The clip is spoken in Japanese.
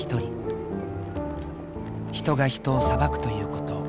人が人を裁くということ。